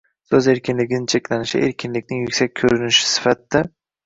so‘z erkinligi cheklanishini - erkinlikning yuksak ko‘rinishi sifatida;